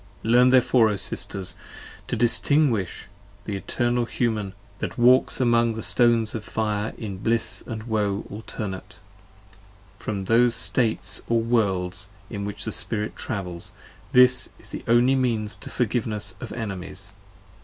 Learn therefore, O Sisters, to distinguish the Eternal Human That walks about among the stones of fire, in bliss & woe Alternate, from those States or Worlds in which the Spirit travels: 75 This is the only means to Forgiveness of Enemies.